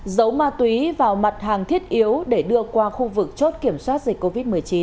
giấu ma túy vào mặt hàng thiết yếu để đưa qua khu vực chốt kiểm soát dịch covid một mươi chín